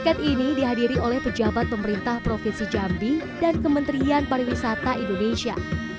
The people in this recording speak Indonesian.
pelajaran ini disambut terdiri oleh pejabat pemerintah provinsi jambi dan kementerian pariwisata indonesia